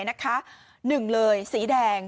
นะคะ๑เลยสีแดง